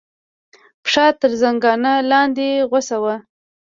پښه تر زنګانه لاندې غوڅه وه.